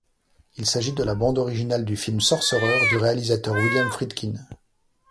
Il s'agit de la bande originale du film Sorcerer du réalisateur William Friedkin.